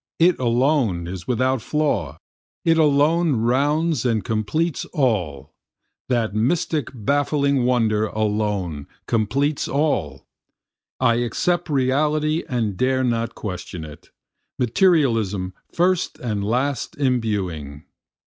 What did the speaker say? It alone is without flaw, it alone rounds and completes all, That mystic baffling wonder alone completes all. I accept Reality and dare not question it, Materialism first and last imbuing.